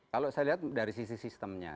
kalau saya lihat dari sisi sistemnya